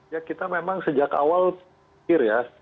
ya kita memang sejak awal pikir ya